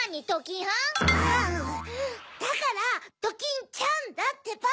だから「ドキンちゃん」だってば！